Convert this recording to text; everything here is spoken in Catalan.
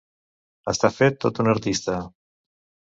Estar fet tot un artista.